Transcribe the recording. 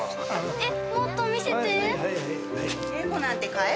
えっ？